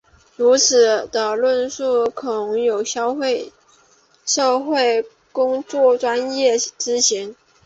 如此的论述恐有消费社会工作专业之嫌。